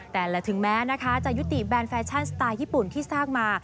หรือถึงแม้นะคะจะยุติแบรนดแฟชั่นสไตล์ญี่ปุ่นที่สร้างมา